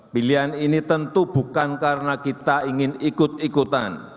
pilihan ini tentu bukan karena kita ingin ikut ikutan